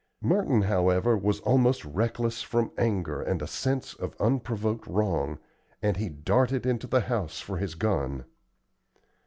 Merton, however, was almost reckless from anger and a sense of unprovoked wrong, and he darted into the house for his gun.